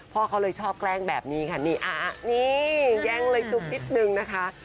พ่อเขาเลยชอบแกล้งแบบนี้ค่ะนี่แย่งเลยจุ๊บนิดนึงนะคะ